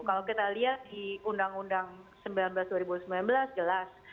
kalau kita lihat di undang undang sembilan belas dua ribu sembilan belas jelas